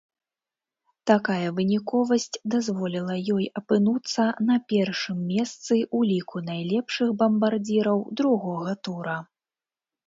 Такая выніковасць дазволіла ёй апынуцца на першым месцы ў ліку найлепшых бамбардзіраў другога тура.